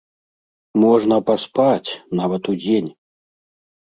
Можна паспаць, нават удзень!